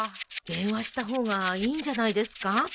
電話した方がいいんじゃないですか？